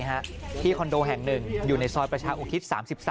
ไปที่คอนโดแห่งหนึ่งอยู่ในซอยประชาอุคิต๓๓